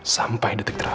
sampai detik terakhir